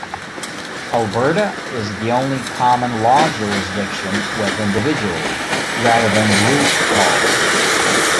Alberta is the only common law jurisdiction with individual, rather than group, calls.